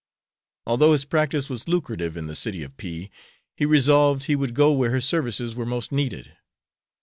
Although his practice was lucrative in the city of P , he resolved he would go where his services were most needed.